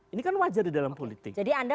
ini kan wajar di dalam politik